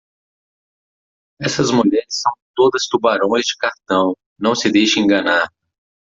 Essas mulheres são todas tubarões de cartão, não se deixe enganar.